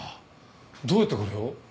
どうやってこれを？